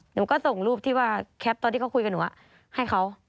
หนูก็ส่งรูปที่ว่าแคปตอนที่เขาคุยกับหนูให้เขา